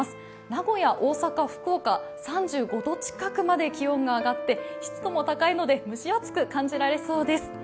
名古屋、大阪、福岡３５度近くまで気温が上がって湿度も高いので蒸し暑く感じそうです。